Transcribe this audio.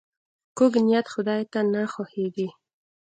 کوږ نیت خداي ته نه خوښیږي